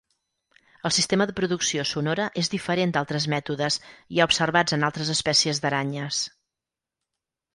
El sistema de producció sonora és diferent d'altres mètodes ja observats en altres espècies d'aranyes.